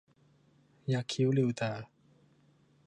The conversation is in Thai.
ยักคิ้วหลิ่วตา